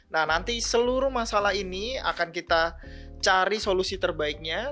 nah nanti seluruh masalah ini akan kita cari solusi terbaiknya